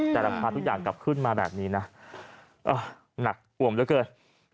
แต่ราคาทุกอย่างกลับขึ้นมาแบบนี้นะหนักอ่วมเหลือเกิน